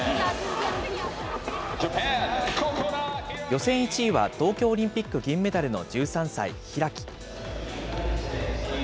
予選１位は東京オリンピック銀メダルの１３歳、開。